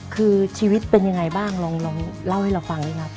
คือชีวิตเป็นยังไงบ้างลองเล่าให้เราฟังไหมครับ